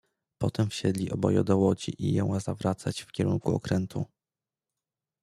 "Potem wsiedli oboje do łodzi i jęła zawracać w kierunku okrętu."